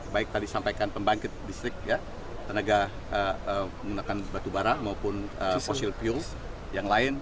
baik tadi sampaikan pembangkit distrik tenaga menggunakan batubara maupun fossil fuel yang lain